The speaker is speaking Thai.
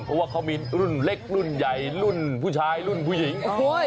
เพราะว่าเขามีรุ่นเล็กรุ่นใหญ่รุ่นผู้ชายรุ่นผู้หญิง